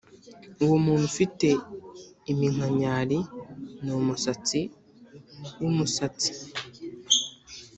uwo muntu ufite iminkanyari n umusatsi wumusatsi.